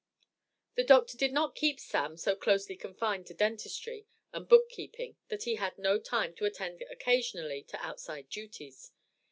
The doctor did not keep "Sam" so closely confined to dentistry and book keeping that he had no time to attend occasionally to outside duties.